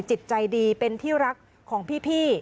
จิตใจดีเป็นที่รักของพี่